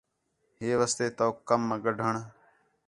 ہے واسطے توک کم آ گڈھݨ